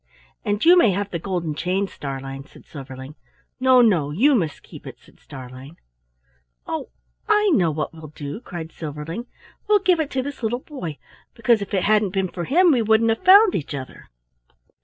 "And you may have the golden chain, Starlein," said Silverling. "No, no! you must keep it," said Starlein. "Oh, I know what we'll do!" cried Silverling; "we'll give it to this little boy, because if it hadn't been for him we wouldn't have found each other."